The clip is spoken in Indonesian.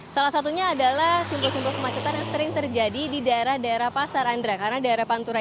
salah satunya adalah simpul simpul kemacetan yang sering terjadi di daerah daerah pasar andra